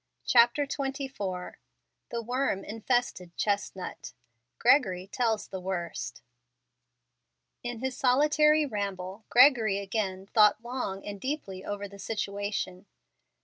CHAPTER XXIV "THE WORM INFESTED CHESTNUT" GREGORY TELLS THE WORST In his solitary ramble, Gregory again thought long and deeply over the situation.